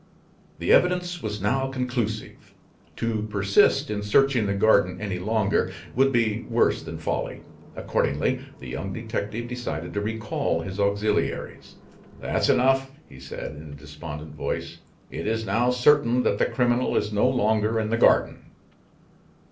The evidence was now conclusive. To persist in searching the garden any longer would be worse than folly. Accordingly, the young detective decided to recall his auxiliaries. "That's enough," he said, in a despondent voice. "It is now certain that the criminal is no longer in the garden."